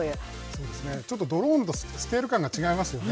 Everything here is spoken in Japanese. そうですね、ちょっとドローンとスケール感が違いますよね。